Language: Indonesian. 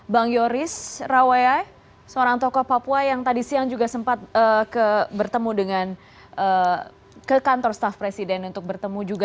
harus bisa diketahui melalui dialog